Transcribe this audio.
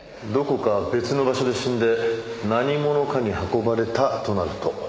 どこか別の場所で死んで何者かに運ばれたとなると。